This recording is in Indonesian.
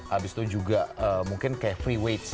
habis itu juga mungkin kayak free weights